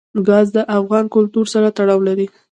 ګاز د افغان کلتور سره تړاو لري.